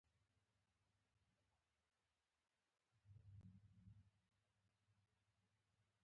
ایا له لوړ ځای ویریږئ؟